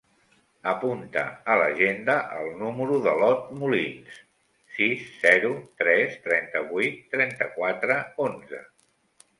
Apunta a l'agenda el número de l'Ot Molins: sis, zero, tres, trenta-vuit, trenta-quatre, onze.